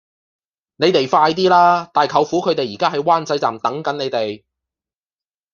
你哋快啲啦!大舅父佢哋而家喺灣仔站等緊你哋